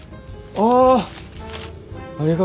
ああ！